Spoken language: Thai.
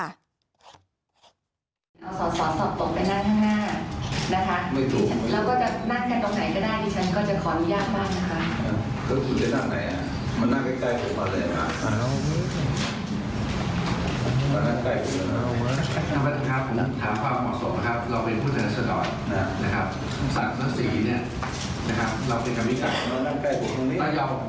อันนี้มันรอบป๊าระ